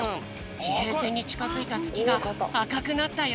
ちへいせんにちかづいたつきがあかくなったよ！